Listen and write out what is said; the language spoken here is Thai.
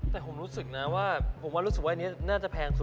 แต่ผมรู้สึกนะว่าผมว่ารู้สึกว่าอันนี้น่าจะแพงสุด